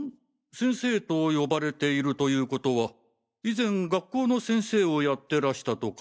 先生と呼ばれているというコトは以前学校の先生をやってらしたとか？